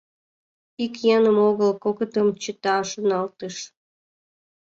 «Ик еҥым огыл — кокытым чыта», — шоналтыш.